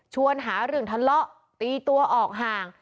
หาเรื่องทะเลาะตีตัวออกห่าง